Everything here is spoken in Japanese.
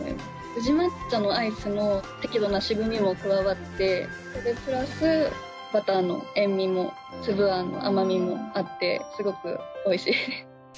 宇治抹茶のアイスの適度な渋味も加わってそれプラス、バターの塩味も粒あんの甘味もあってすごくおいしいです。